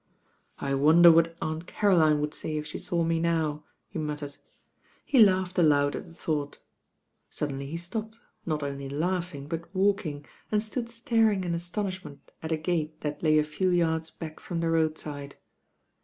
"I wonder what Aunt Caroline would say if she saw me now?" he muttered. He laughed aloud at the thought Suddenly he stopped, not only laughing, but THE BAIN GIRL ^«lking, and stood itaring in astonishment at a gate that lay a few yards back from the roadside.